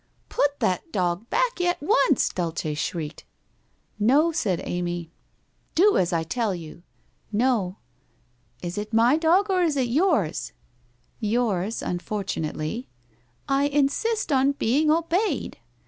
1 Put that dog back at once,' Dulcc shrieked. ' No/ >aid Amy. 'Do as T tell you.' * \'o.' ' Is it my dog or IB it yours? '' Yours — unfortunately.' 1 I insist on being obeyed.'